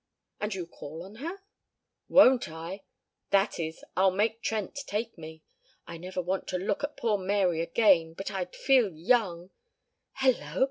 "And you'll call on her?" "Won't I? That is, I'll make Trent take me. I never want to look at poor Mary again, but I'd feel young Hello!